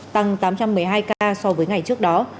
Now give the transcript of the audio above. tăng tám trăm một mươi hai ca so với ngày trước đó